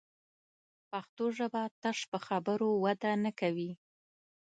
پښتو ژبه تش په خبرو وده نه کوي